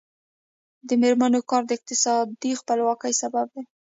د میرمنو کار د اقتصادي خپلواکۍ سبب دی.